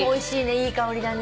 いい香りだね。